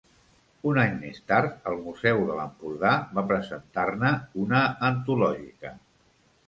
Un any més tard, el Museu de l'Empordà va presentar-ne una antològica.